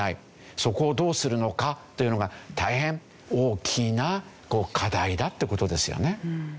そこをどうするのかというのが大変大きな課題だって事ですよね。